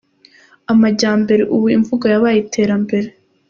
Amajyambere” : Ubu imvugo yabaye iterambere.